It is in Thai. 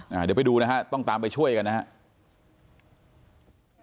เดี๋ยวไปดูนะฮะต้องตามไปช่วยกันนะครับ